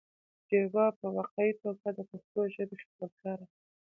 ډيوه په واقعي توګه د پښتو ژبې خدمتګاره ده